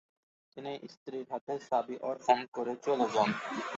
তিনি স্ত্রীর হাতে চাবি অর্পণ করে চলে যান।